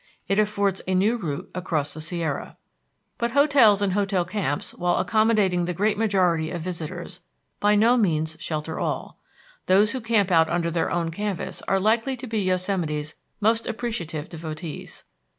It affords a new route across the Sierra. But hotels and hotel camps, while accommodating the great majority of visitors, by no means shelter all. Those who camp out under their own canvas are likely to be Yosemite's most appreciative devotees.